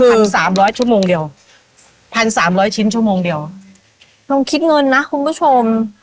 สามร้อยชั่วโมงเดียวพันสามร้อยชิ้นชั่วโมงเดียวลองคิดเงินนะคุณผู้ชม